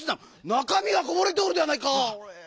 なかみがこぼれておるではないか！